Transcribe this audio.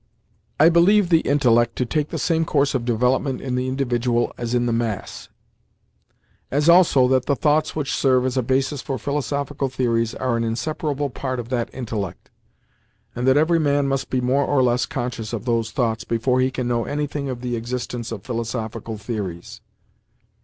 I believe the intellect to take the same course of development in the individual as in the mass, as also that the thoughts which serve as a basis for philosophical theories are an inseparable part of that intellect, and that every man must be more or less conscious of those thoughts before he can know anything of the existence of philosophical theories.